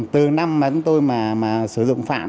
từ năm tôi sử dụng phạm